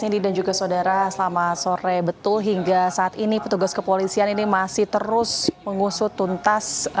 ini dan juga saudara selama sore betul hingga saat ini petugas kepolisian ini masih terus mengusut tuntas